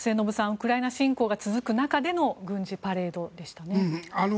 ウクライナ侵攻が続く中での軍事パレードでしたね。